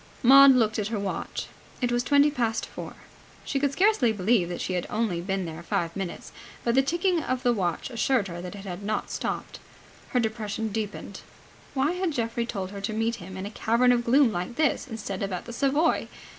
Maud looked at her watch. It was twenty past four. She could scarcely believe that she had only been there five minutes, but the ticking of the watch assured her that it had not stopped. Her depression deepened. Why had Geoffrey told her to meet him in a cavern of gloom like this instead of at the Savoy?